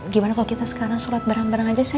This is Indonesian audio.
gimana kalau kita sekarang sholat bareng bareng aja